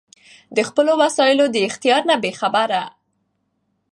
د خپلــــــو وسائیلـــــــو د اختیار نه بې خبره